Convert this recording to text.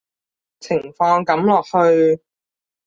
情況噉落去